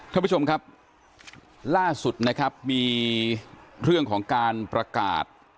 ท่านผู้ชมครับล่าสุดนะครับมีเรื่องของการประกาศ